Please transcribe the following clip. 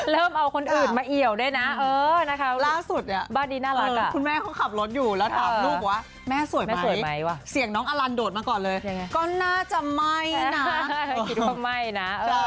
เริ่มเอาคนอื่นมาเอี่ยวด้วยนะล่าสุดบ้านนี้น่ารักอ่ะคุณแม่เขาขับรถอยู่แล้วถามลูกว่าแม่สวยไหมเสียงน้องอลันโดดมาก่อนเลยก็น่าจะไม่นะ